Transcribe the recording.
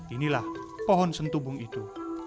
inilah pohon sentubung itu